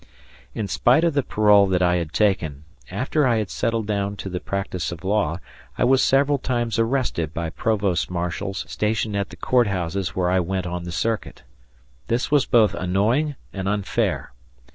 In spite of the parole that I had taken, after I had settled down to the practice of law, I was several times arrested by provost marshals stationed at the court houses where I went on the circuit. This was both annoying and unfair.